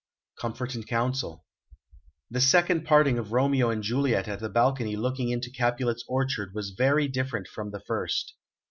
Comfort and Counsel The second parting of Romeo and Juliet at the balcony looking into Capulet's orchard was very different from the first.